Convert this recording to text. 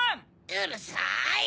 うるさい！